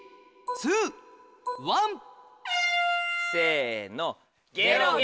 せの。